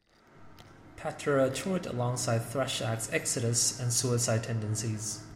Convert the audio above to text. Pantera toured alongside thrash acts Exodus and Suicidal Tendencies.